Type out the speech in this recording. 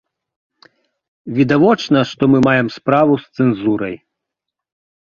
Відавочна, што мы маем справу з цэнзурай.